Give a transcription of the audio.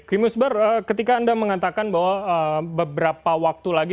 kim husbar ketika anda mengatakan bahwa beberapa waktu lagi